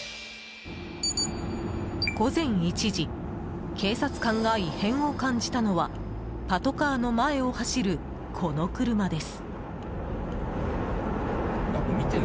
午前１時警察官が異変を感じたのはパトカーの前を走る、この車です。